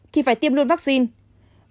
thì phải tiêm luôn vaccine